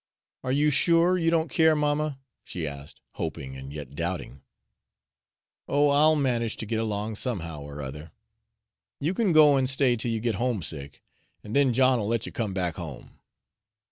"Are you sure you don't care, mamma?" she asked, hoping and yet doubting. "Oh, I'll manage to git along somehow or other. You can go an' stay till you git homesick, an' then John'll let you come back home."